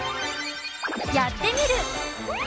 「やってみる。」。